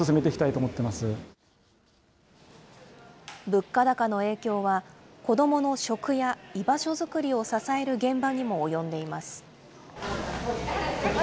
物価高の影響は、子どもの食や居場所作りを支える現場にも及んでいます。